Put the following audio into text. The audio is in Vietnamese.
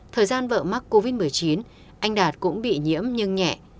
thời gian vợ mắc covid một mươi chín anh đạt cũng bị nhiễm nhưng nhẹ